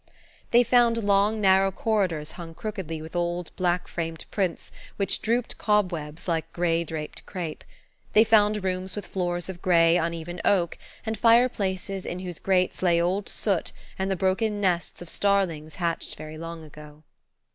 They found long, narrow corridors hung crookedly with old, black framed prints, which drooped cobwebs, like grey draped crape. They found rooms with floors of grey, uneven oak, and fireplaces in whose grates lay old soot and the broken nests of starlings hatched very long ago.